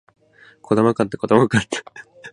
児玉幹太児玉幹太